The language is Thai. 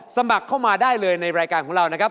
สมัครเข้ามาได้เลยในรายการของเรานะครับ